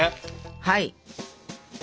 はい！